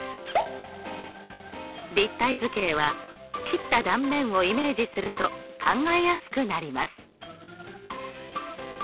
立体図形は切った断面をイメージすると考えやすくなります。